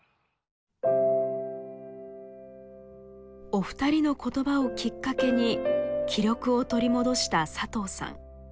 お二人のことばをきっかけに気力を取り戻した佐藤さん。